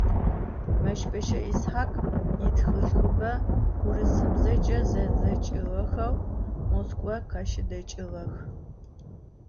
Meşbeş'e Yishakh yitxılhıbe vurısıbzeç'e zedzeç'ığexeu Moskva khaşıdeç'ığex.